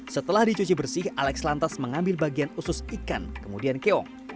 setelah dicuci bersih alex lantas mengambil bagian usus ikan kemudian keong